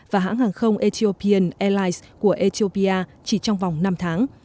và hãng hàng không ethiopian airlines của ethiopia chỉ trong vòng năm tháng